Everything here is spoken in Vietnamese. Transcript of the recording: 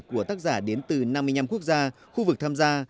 của tác giả đến từ năm mươi năm quốc gia khu vực tham gia